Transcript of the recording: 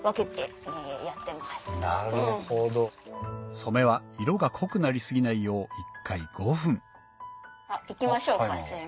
染めは色が濃くなり過ぎないよう一回５分あっ行きましょうか。